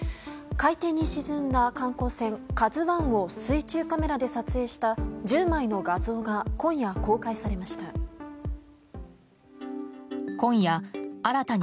海底に沈んだ観光船「ＫＡＺＵ１」を水中カメラで撮影した１０枚の画像が今夜、公開されました。